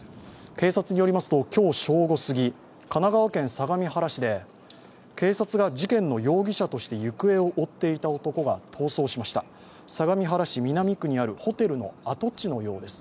警察によりますと、今日正午すぎ、神奈川県相模原市で警察が事件の容疑者として行方を追っていた男が逃走しました相模原市南区にあるホテルの跡地です。